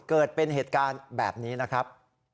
เกิดเป็นเหตุการณ์แบบนี้นะครับ